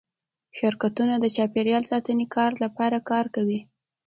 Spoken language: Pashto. شرکتونه د چاپیریال ساتنې لپاره کار کوي؟